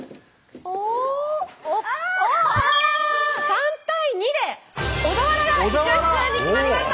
３対２で小田原がイチオシツアーに決まりました！